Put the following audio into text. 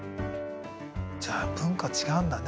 じゃあ文化違うんだね。